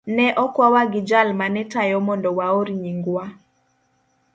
Ne okwawa gi jal ma ne tayo mondo waor nyingwa.